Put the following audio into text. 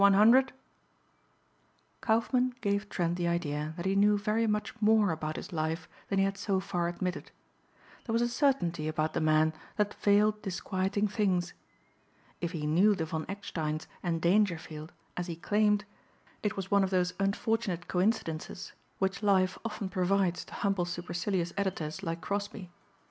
Kaufmann gave Trent the idea that he knew very much more about his life than he had so far admitted. There was a certainty about the man that veiled disquieting things. If he knew the Von Ecksteins and Dangerfield as he claimed, it was one of those unfortunate coincidences which life often provides to humble supercilious editors like Crosbeigh.